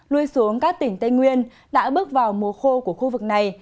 lui xuống các tỉnh tây nguyên đã bước vào mùa khô của khu vực này